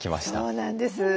そうなんです。